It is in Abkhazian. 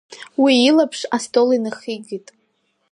Уи илаԥш астол инахигеит.